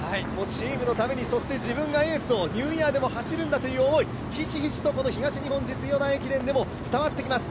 チームのために、そして自分がエースをニューイヤーでも走るんだという思いひしひしと東日本実業団駅伝でも伝わってきます。